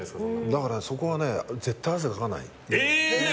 だからそこがね絶対汗かかない。